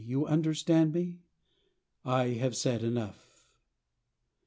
You understand me? I have said enough